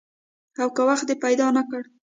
او که وخت دې پیدا نه کړ؟